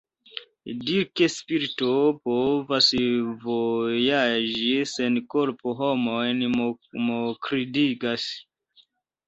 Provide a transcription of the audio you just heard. Diri ke spirito povas vojaĝi sen korpo homojn mokridigas.